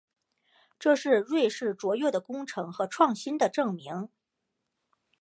这是瑞士卓越的工程和创新的证明。